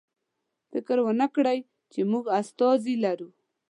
فکر ونکړئ چې موږ استازی لرو.